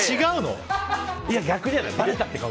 逆じゃない？